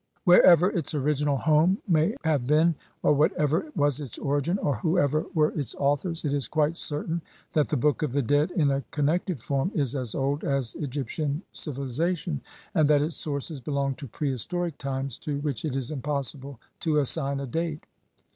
Wherever its original home may have been, or whatever was its origin, or whoever were its au thors, it is quite certain that the Book of the Dead, in a connected form, is as old as Egyptian civilization, and that its sources belong to prehistoric times to which it is impossible to assign a date.